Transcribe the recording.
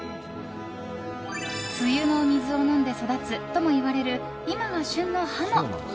梅雨の水を飲んで育つともいわれる、今が旬のハモ。